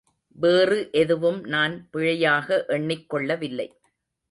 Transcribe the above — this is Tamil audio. வேறு எதுவும் நான் பிழையாக எண்ணிக் கொள்ளவில்லை.